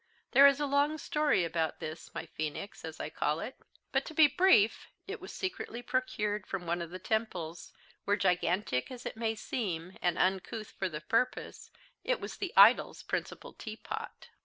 There is a long story about this my phoenix, as I call it; but, to be brief, it was secretly procured from one of the temples, where, gigantic as it may seem, and uncouth for the purpose, it was the idol's principal teapot!"